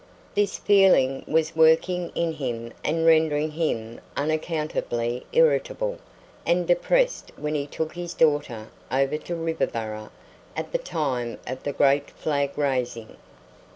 This feeling was working in him and rendering him unaccountably irritable and depressed when he took his daughter over to Riverboro at the time of the great flag raising.